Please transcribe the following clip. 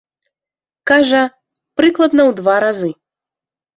Кажа, прыкладна ў два разы.